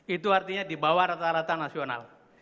itu artinya di bawah rata rata nasional